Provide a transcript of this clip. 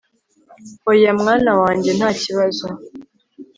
hoya mwana wanjye ntakibazo